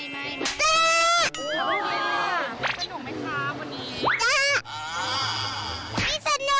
ไม้